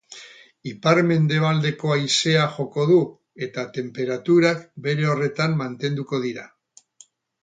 Ipar-mendebaldeko haizea joko du eta tenperaturak bere horretan mantenduko dira.